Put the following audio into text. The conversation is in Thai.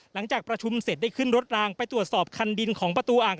หลังจากประชุมเสร็จได้ขึ้นรถรางไปตรวจสอบคันดินของประตูอ่าง